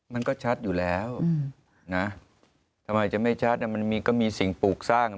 มันก็ชัดอยู่แล้วนะทำไมจะไม่ชัดมันก็มีสิ่งปลูกสร้าง